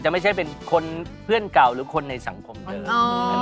ไม่ใช่เป็นคนเพื่อนเก่าหรือคนในสังคมเดิม